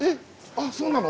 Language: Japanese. あっそうなの！？